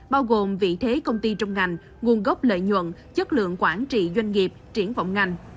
bao gồm vị thế công ty trong ngành nguồn gốc lợi nhuận chất lượng quản trị doanh nghiệp triển vọng ngành